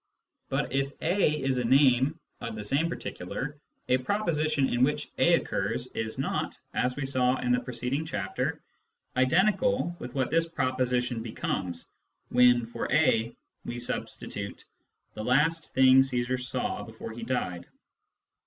But if " a " is a name for the same particular, a proposition in which " a " occurs is not (as we saw in the preceding chapter) identical with what this proposition becomes when for " a " we substitute " the last thing Caesar saw before he died."